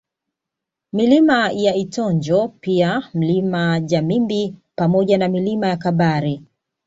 Milima ya Itonjo pia Mlima Jamimbi pamona na Milima ya Kabare